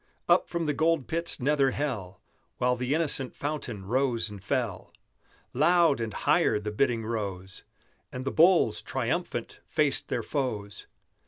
Up from the Gold Pit's nether hell, While the innocent fountain rose and fell, Loud and higher the bidding rose, And the bulls, triumphant, faced their foes.